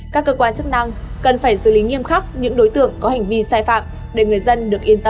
các cơ quan chức năng cần phải xử lý nghiêm khắc những đối tượng có hành vi sai phạm để người dân được yên tâm